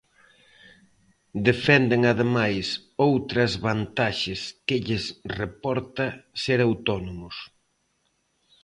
Defenden ademais outras vantaxes que lles reporta ser autónomos.